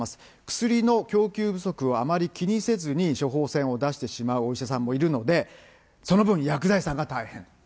薬の供給不足をあまり気にせずに処方箋を出してしまうお医者さんもいるので、その分薬剤師さんが大変。